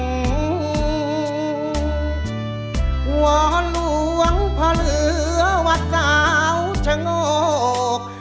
กราบหลวงพ่อเหลือวัดเจ้าชะงก